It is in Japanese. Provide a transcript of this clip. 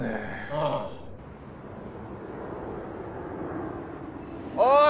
ああおい